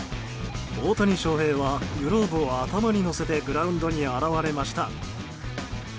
大谷翔平はグローブを頭に載せてグラウンドに現れました。